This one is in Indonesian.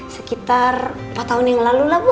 sekitar empat tahun yang lalu lah bu